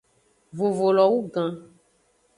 Vovo lo wugan.